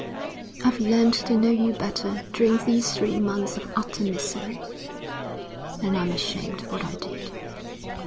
I've learnt to know you better during these three months of utter misery, and I'm ashamed of what I did.'